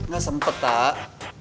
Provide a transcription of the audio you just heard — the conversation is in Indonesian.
gak sempet kak